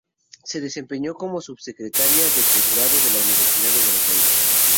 Se desempeñó como Subsecretaria de Postgrado de la Universidad de Buenos Aires.